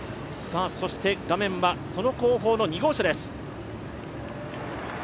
画面はその後方の２号車です。